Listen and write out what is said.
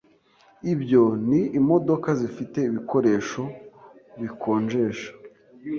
Ibyo ni imodoka zifite ibikoresho bikonjesha,